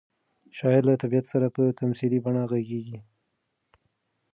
شاعر له طبیعت سره په تمثیلي بڼه غږېږي.